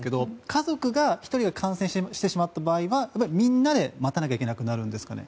家族１人が感染してしまった場合はみんなで待たなきゃいけなくなるんですかね。